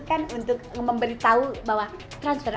kan untuk memberitahu bahwa transfer